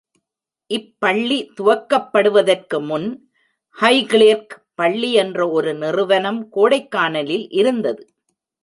இப்பள்ளி துவக்கப்படுவதற்கு முன் ஹைகிளெர்க் பள்ளி என்ற ஒரு நிறுவனம் கோடைக்கானலில் இருந்தது.